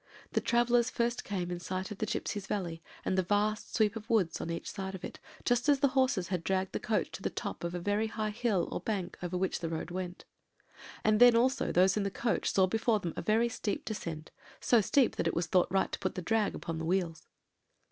The travellers first came in sight of the gipsies' valley, and the vast sweep of woods on each side of it, just as the horses had dragged the coach to the top of a very high hill or bank over which the road went; and then also those in the coach saw before them a very steep descent, so steep that it was thought right to put the drag upon the wheels.